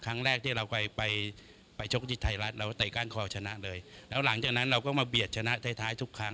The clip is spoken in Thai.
ครั้งแรกที่เราไปไปชกที่ไทยรัฐเราก็เตะก้านคอชนะเลยแล้วหลังจากนั้นเราก็มาเบียดชนะท้ายท้ายทุกครั้ง